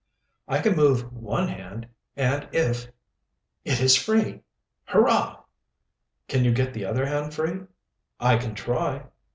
"I can move one hand and if It is free! Hurrah!" "Can you get the other hand free?" "I can try.